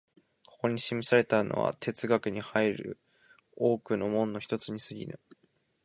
ここに示されたのは哲学に入る多くの門の一つに過ぎぬ。